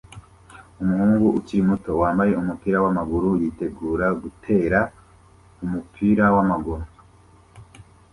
Umuhungu ukiri muto wambaye umupira wamaguru yitegura gutera umupira wamaguru